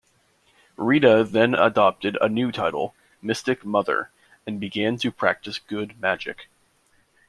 Rita then adopted a new title, Mystic Mother, and began to practice good magic.